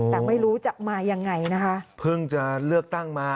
แต่ไม่รู้จะมายังไงนะคะเพิ่งจะเลือกตั้งมา